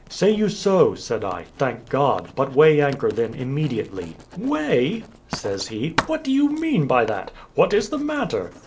"Say you so?" said I; "thank God; but weigh anchor, then, immediately." "Weigh!" says he; "what do you mean by that? What is the matter?"